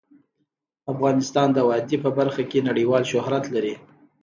افغانستان د وادي په برخه کې نړیوال شهرت لري.